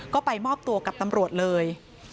ก็ไปมอบตัวกับตำรวจเลย